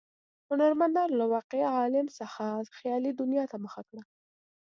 هنرمندانو له واقعي عالم څخه خیالي دنیا ته مخه کړه.